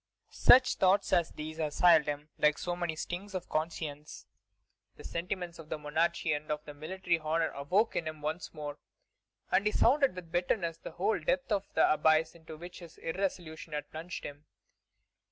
Such thoughts as these assailed him like so many stings of conscience. The sentiments of monarchy and of military honor awoke in him once more, and he sounded with bitterness the whole depth of the abyss into which his irresolution had plunged him.